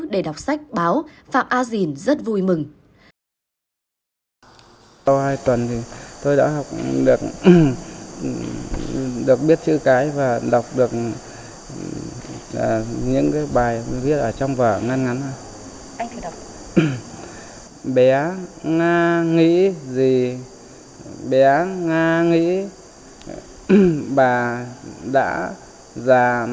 để đọc sách báo phạm a dìn rất vui mừng